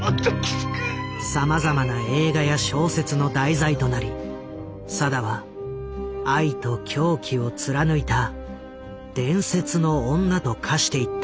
さまざまな映画や小説の題材となり定は「愛と狂気」を貫いた伝説の女と化していった。